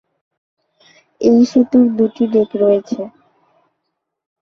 এই সেতুর দুটি ডেক রয়েছে।